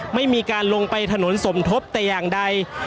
ไม่มีการลงไปถนนสมทบแต่อย่างใด